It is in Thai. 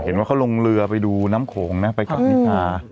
เห็นว่าเขาลงเรือไปดูน้ำโขงนะไปกับนิกา